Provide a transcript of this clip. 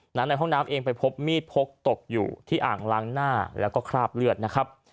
ในห้องน้ำเองไปพบมีดพกตกอยู่ที่อ่างล้างหน้าแล้วก็คราบเลือดนะครับ